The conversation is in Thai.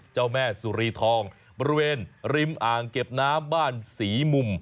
เจ้าแม่สุรีทองบริเวณริมอ่างเก็บน้ำบ้านศรีมุม